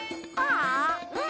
うん。